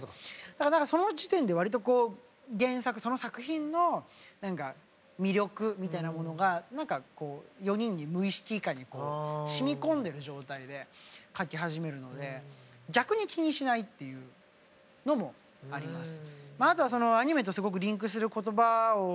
だからその時点でわりとこう原作その作品の魅力みたいなものが何かこう４人に無意識下にしみこんでる状態で書き始めるので逆に気にしないっていうのもあります。